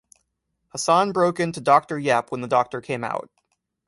Hassan broke into Doctor Yep when the doctor came out.